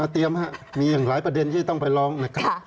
เตรียมครับมีอย่างหลายประเด็นที่จะต้องไปร้องนะครับ